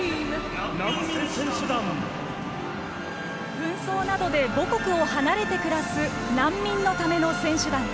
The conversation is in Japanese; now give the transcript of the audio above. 紛争などで母国を離れて暮らす難民のための選手団。